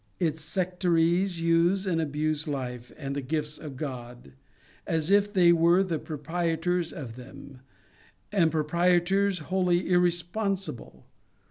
Its sectaries use and abuse life and the gifts of God, as if they were the proprietors of them, and proprie tors wholly irresponsible.